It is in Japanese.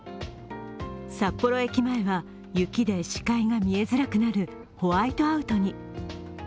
札幌駅前は雪で視界が見えづらくなるホワイトアウトに。